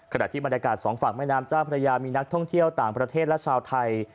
ขณะที่บรรยากาศสองฝั่งแม่น้ำเจ้าพระยามีนักท่องเที่ยวต่างประเทศและชาวไทย